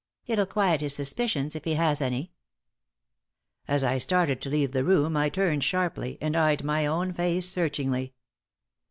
It'll quiet his suspicions, if he has any." As I started to leave the room, I turned sharply, and eyed my own face searchingly.